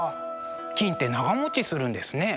金って長もちするんですね。